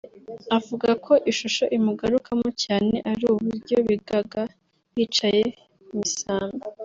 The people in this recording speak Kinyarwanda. avuga ko ishusho imugarukamo cyane ari uburyo bigaga bicaye ku misambi